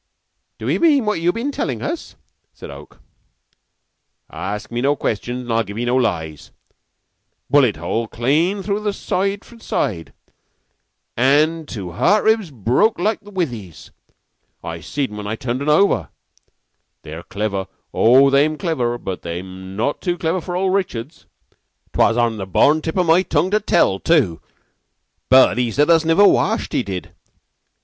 "Do 'ee mean what you'm been tellin' us?" said Oke. "Ask me no questions, I'll give 'ee no lies. Bullet hole clane thru from side to side, an' tu heart ribs broke like withies. I seed un when I turned un ovver. They're clever, oh, they'm clever, but they'm not too clever for old Richards! 'Twas on the born tip o' my tongue to tell, tu, but... he said us niver washed, he did.